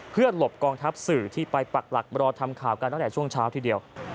เพื่อหลบกองทัพสื่อที่ไปปักหลักรอทำข่าวกันตั้งแต่ช่วงเช้าทีเดียว